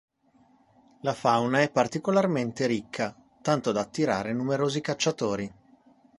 La fauna è particolarmente ricca, tanto da attirare numerosi cacciatori.